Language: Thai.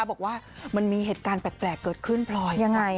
แล้วสามารถบอกว่ามันมีเหตุการณ์แปลกเกิดขึ้นพลอย